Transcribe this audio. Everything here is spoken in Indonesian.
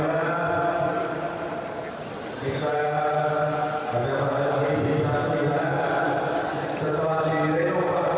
jokowi menyebut stadion manahan terlihat sangat megah